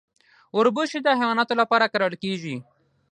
وربشې د حیواناتو لپاره کرل کیږي.